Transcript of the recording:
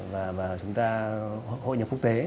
và chúng ta hội nhập quốc tế